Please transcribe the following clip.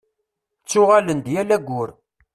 Ttuɣalen-d yal aggur.